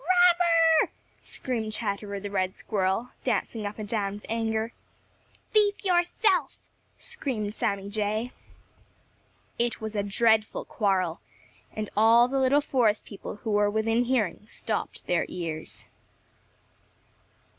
"Robber!" screamed Chatterer the Red Squirrel, dancing up and down with anger. "Thief yourself!" screamed Sammy Jay. It was a dreadful quarrel, and all the little forest people who were within hearing stopped their ears.